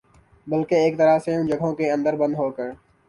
بلکہ ایک طرح سے ان جگہوں کے اندر بند ہوکر